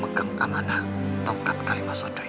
setelah freelance dari budi belanda pada tahun wise